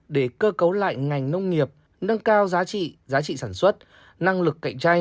để cơ cấu lại ngành nông nghiệp nâng cao giá trị giá trị sản xuất năng lực cạnh tranh